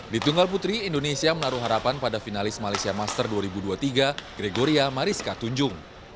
di tunggal putri indonesia menaruh harapan pada finalis malaysia master dua ribu dua puluh tiga gregoria mariska tunjung